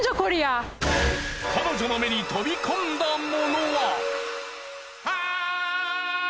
彼女の目に飛び込んだものは？